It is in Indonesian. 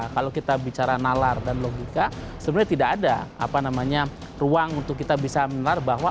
kalau kita bicara nalar dan logika sebenarnya tidak ada ruang untuk kita bisa menalar bahwa